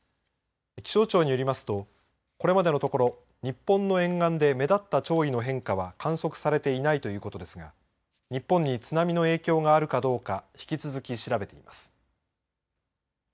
気象庁によりますとこれまでのところ日本の沿岸で目立った潮位の変化は観測されていないということですが日本に津波の影響があるかどうか引き続き調べています。